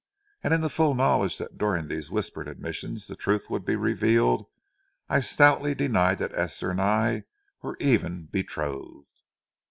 And in the full knowledge that during these whispered admissions the truth would be revealed, I stoutly denied that Esther and I were even betrothed.